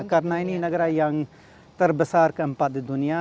karena ini negara yang terbesar keempat di dunia